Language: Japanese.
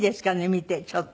見てちょっと。